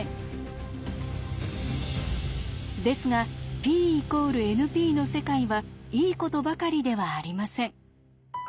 ですがＰ＝ＮＰの世界はいいことばかりではありません。